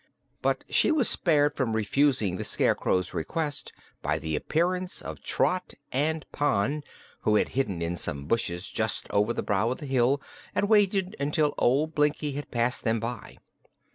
But she was spared from refusing the Scarecrow's request by the appearance of Trot and Pon, who had hidden in some bushes just over the brow of the hill and waited until old Blinkie had passed them by.